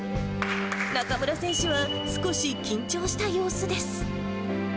中村選手は少し緊張した様子です。